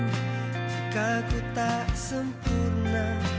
jika ku tak sempurna